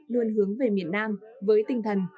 luôn hướng về miền nam với tinh thần